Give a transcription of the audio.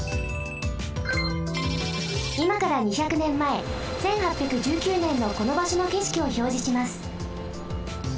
いまから２００ねんまえ１８１９ねんのこのばしょのけしきをひょうじします。